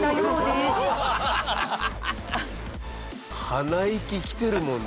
鼻息きてるもんな。